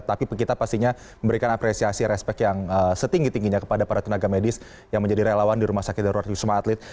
tapi kita pastinya memberikan apresiasi respect yang setinggi tingginya kepada para tenaga medis yang menjadi relawan di rumah sakit darurat wisma atlet